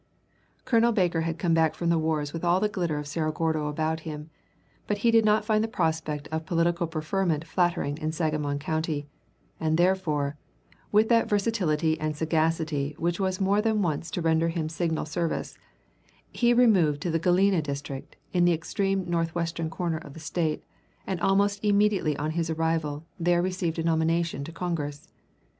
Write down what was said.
Colonel Baker had come back from the wars with all the glitter of Cerro Gordo about him, but did not find the prospect of political preferment flattering in Sangamon County, and therefore, with that versatility and sagacity which was more than once to render him signal service, he removed to the Galena district, in the extreme north western corner of the State, and almost immediately on his arrival there received a nomination to Congress.